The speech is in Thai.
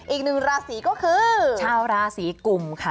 อีกหนึ่งราศีก็คือชาวราศีกุมค่ะ